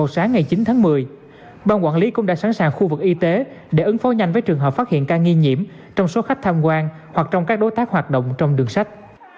sáng ngày chín tháng một mươi bang quản lý cũng đã sẵn sàng khu vực y tế để ứng phó nhanh với trường hợp phát hiện ca nghi nhiễm trong số khách tham quan hoặc trong các đối tác hoạt động trong đường sách